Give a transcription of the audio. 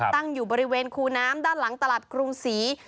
ตั้งอยู่บริเวณคูน้ำด้านหลังตลาดกรุงศรี